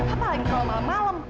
apalagi kalau malam malam